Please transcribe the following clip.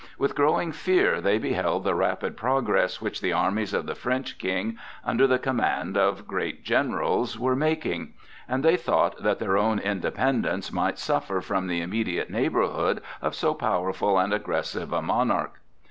With growing fear they beheld the rapid progress which the armies of the French King under the command of great generals were making, and they thought that their own independence might suffer from the immediate neighborhood of so powerful and aggressive a monarch.